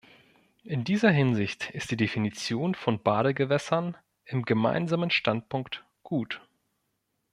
In dieser Hinsicht ist die Definition von Badegewässern im Gemeinsamen Standpunkt gut.